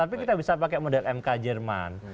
tapi kita bisa pakai model mk jerman